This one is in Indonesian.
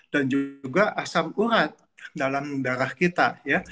dan juga asam urat dalam darah kita